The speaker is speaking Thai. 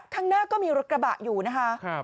ข้างหน้าก็มีรถกระบะอยู่นะคะ